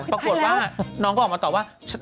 ปรากฏว่าน้องก็ออกมาตอบว่า